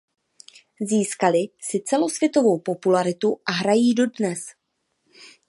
Získaly si celosvětovou popularitu a hrají se dodnes.